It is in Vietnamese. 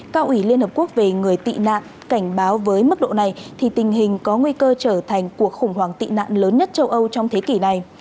cao ủy liên hợp quốc về người tị nạn cảnh báo với mức độ này thì tình hình có nguy cơ trở thành cuộc khủng hoảng tị nạn lớn nhất châu âu trong thế kỷ này